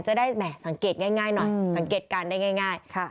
จะได้แหม่สังเกตง่ายหน่อยสังเกตการได้ง่ายค่ะ